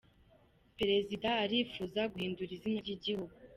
Perezida arifuza guhindura izina ry’igihugu